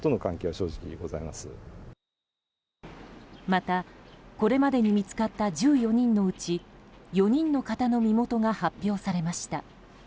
また、これまでに見つかった１４人のうち４人の方の身元が発表されました。